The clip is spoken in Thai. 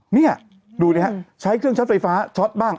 นี่ดูนะครับใช้เครื่องชอสไฟฟ้าชอสบ้าง